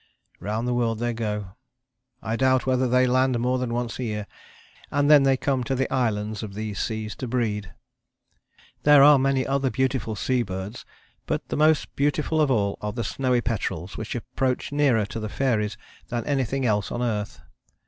Round the world they go. I doubt whether they land more than once a year, and then they come to the islands of these seas to breed. There are many other beautiful sea birds, but most beautiful of all are the Snowy petrels, which approach nearer to the fairies than anything else on earth.